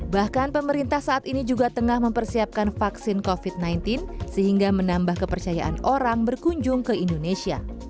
bahkan pemerintah saat ini juga tengah mempersiapkan vaksin covid sembilan belas sehingga menambah kepercayaan orang berkunjung ke indonesia